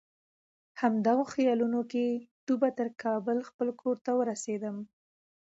همدغو خیالونو کې ډوبه تر کابل خپل کور ته ورسېدم.